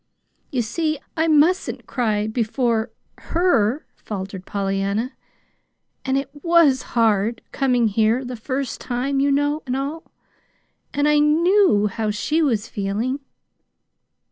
"You see, I mustn't cry before HER," faltered Pollyanna; "and it WAS hard coming here the first time, you know, and all. And I KNEW how she was feeling."